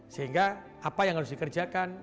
sehingga apa yang harus dikerjakan